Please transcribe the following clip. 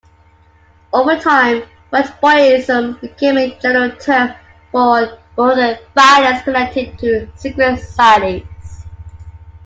Over time, "Whiteboyism" became a general term for rural violence connected to secret societies.